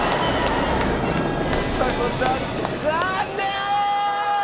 ちさ子さん残念！